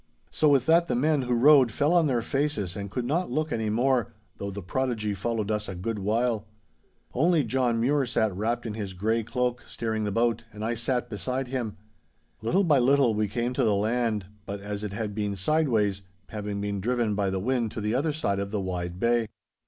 'So with that the men who rowed fell on their faces and could not look any more, though the prodigy followed us a good while. Only John Mure sat wrapped in his grey cloak steering the boat, and I sat beside him. Little by little we came to the land, but as it had been sideways, having been driven by the wind to the other side of the wide bay.